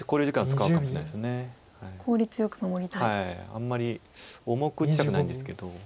あんまり重く打ちたくないんですけど。